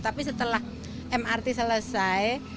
tapi setelah mrt selesai